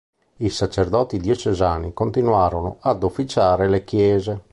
I sacerdoti diocesani continuarono ad officiare le chiese.